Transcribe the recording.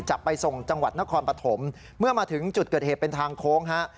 จะไปส่งจังหวัดนครปฐมเมื่อมาถึงจุดเกิดเหตุเป็นทางโค้งฮะ